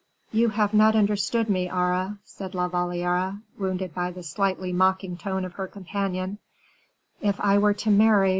"You have not understood me, Aure," said La Valliere, wounded by the slightly mocking tone of her companion; "if I were to marry M.